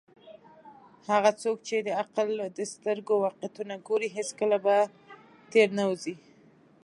هغه څوک چې د عقل په سترګو واقعیتونه ګوري، هیڅکله به تیر نه وزي.